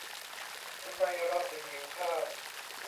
ทำไมเราถึงหิวข้าว